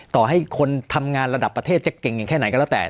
ต่อให้คนทำงานระดับประเทศจะเก่งอย่างแค่ไหนก็แล้วแต่